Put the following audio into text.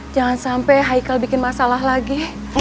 jangan sampe haikal bikin masalah lagi